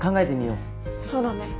そうだね。